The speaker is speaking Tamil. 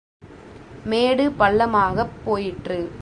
மேடு பள்ளமாகப் போயிற்று.